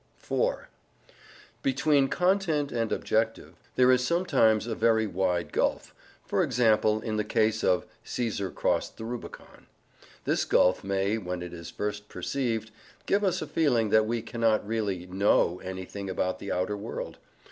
(4) Between content and objective there is sometimes a very wide gulf, for example in the case of "Caesar crossed the Rubicon." This gulf may, when it is first perceived, give us a feeling that we cannot really "know" anything about the outer world.